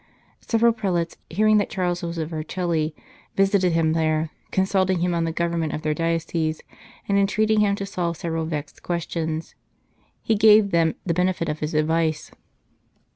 Several prelates, hearing that Charles was at Vercelli, visited him there, consulting him on the government of their dioceses, and entreated him to solve several vexed questions. He gave them the benefit of his advice.